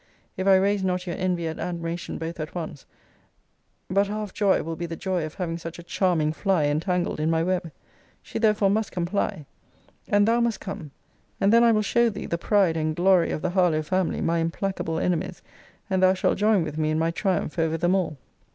If I raise not your envy and admiration both at once, but half joy will be the joy of having such a charming fly entangled in my web. She therefore must comply. And thou must come. And then I will show thee the pride and glory of the Harlowe family, my implacable enemies; and thou shalt join with me in my triumph over them all.